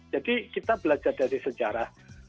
jadi kita belajar dari sejarah